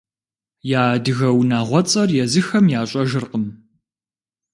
Я адыгэ унагъуэцӀэр езыхэм ящӀэжыркъым.